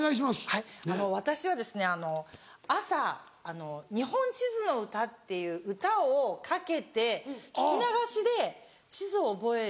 はいあの私は朝『日本地図の歌』っていう歌をかけて聞き流しで地図を覚える。